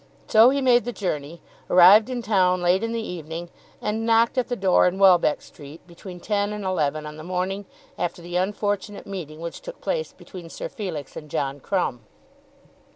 So he made the journey, arrived in town late in the evening, and knocked at the door in Welbeck Street between ten and eleven on the morning after the unfortunate meeting which took place between Sir Felix and John Crumb.